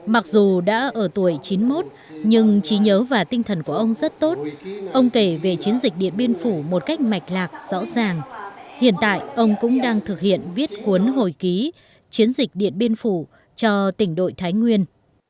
mặc dù đã ở tuổi chín mươi một nhưng trí nhớ và tinh thần của ông rất tốt ông kể về chiến dịch điện biên phủ một cách mạch lạc rõ ràng hiện tại ông cũng đang thực hiện viết cuốn hồi ký chiến dịch điện biên phủ cho tỉnh đội thái nguyên